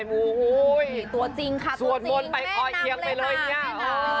เออตัวจริงค่ะตัวจริงแม่นำเลยค่ะ